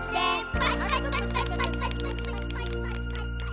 「パチパチパチパチ！」